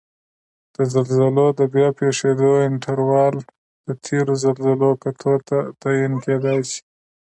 د زلزلو د بیا پېښیدو انټروال د تېرو زلزلو کتو ته تعین کېدای شي